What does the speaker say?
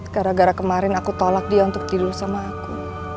gara gara kemarin aku tolak dia untuk tidur sama aku